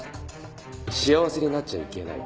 幸せになっちゃいけない？